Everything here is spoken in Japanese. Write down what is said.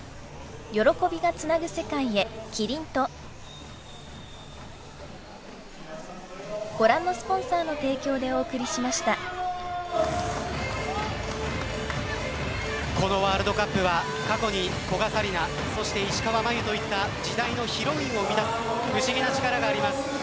相手のコートがちゃんと見えてるなと感じさせるこのワールドカップは過去に古賀紗理那そして石川真佑といった時代のヒロインを生み出す不思議な力があります。